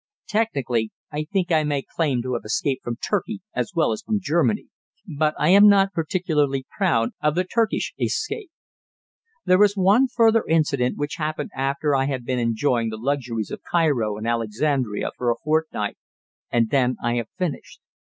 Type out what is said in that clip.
Technically, I think I may claim to have escaped from Turkey as well as from Germany, but I am not particularly proud of the Turkish escape. There is one further incident which happened after I had been enjoying the luxuries of Cairo and Alexandria for a fortnight, and then I have finished.